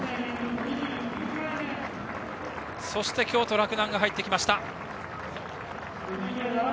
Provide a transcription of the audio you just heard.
そして、京都・洛南が入ってきました。